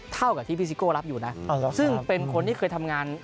เท่ากับที่พี่ซิโก้รับอยู่นะซึ่งเป็นคนที่เคยทำงาน